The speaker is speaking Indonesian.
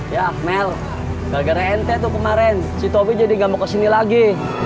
ya mel gagal nt tuh kemarin si tobi jadi gak mau kesini lagi